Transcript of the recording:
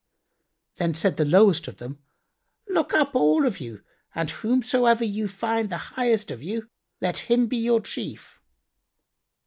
Then said the lowest of them, "Look up, all of you, and whomsoever ye find the highest of you, let him be your chief."